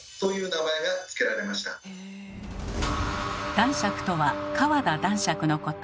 男爵とは川田男爵のこと。